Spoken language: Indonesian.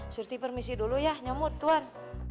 surti permisi dulu ya nyomot tuan